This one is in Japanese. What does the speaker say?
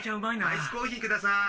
「アイスコーヒーください」。